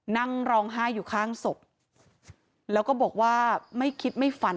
นั่งร้องไห้อยู่ข้างศพแล้วก็บอกว่าไม่คิดไม่ฝัน